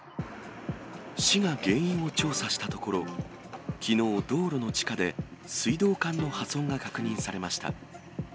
市が原因を調査したところ、きのう、道路の地下で水道管の破損が確認されました。